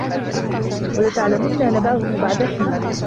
وَلَتَعلَمُنَّ نَبَأَهُ بَعدَ حينٍ